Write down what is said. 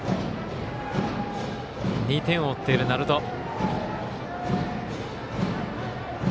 ２点を追っている鳴門。